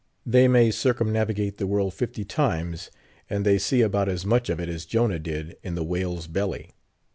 They may circumnavigate the world fifty times, and they see about as much of it as Jonah did in the whale's belly.